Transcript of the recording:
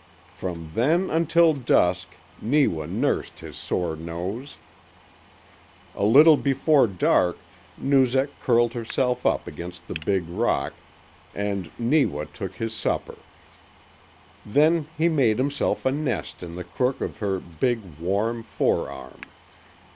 From then until dusk Neewa nursed his sore nose. A little before dark Noozak curled herself up against the big rock, and Neewa took his supper. Then he made himself a nest in the crook of her big, warm forearm.